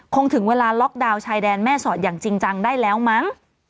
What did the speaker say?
ถึงเวลาล็อกดาวน์ชายแดนแม่สอดอย่างจริงจังได้แล้วมั้ง